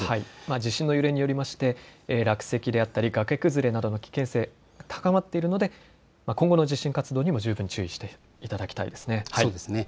地震の揺れによりまして、落石であったり崖崩れなど危険性、高まっているので今後の地震活動にも十分注意していただきたいですね。